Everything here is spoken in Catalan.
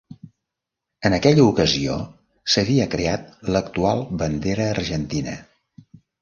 En aquella ocasió s'havia creat l'actual Bandera Argentina.